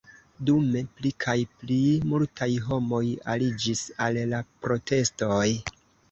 Dume pli kaj pli multaj homoj aliĝis al la protestoj.